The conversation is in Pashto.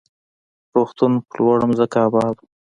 روغتون پر لوړه ځمکه اباد و.